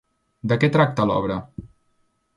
De què tracta l'obra?